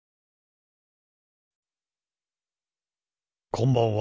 こんばんは。